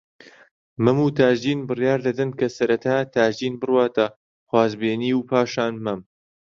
مەم و تاجدین بڕیار دەدەن کە سەرەتا تاجدین بڕواتە خوازبێنیی و پاشان مەم